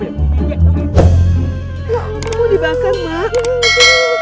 ya allah mau dibakar mak